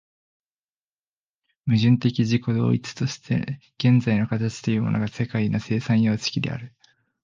矛盾的自己同一として現在の形というものが世界の生産様式である。